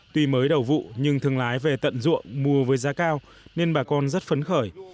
tuy mới đầu vụ nhưng thương lái về tận ruộng mua với giá cao nên bà con rất phấn khởi